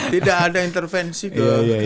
tidak ada intervensi ke kpk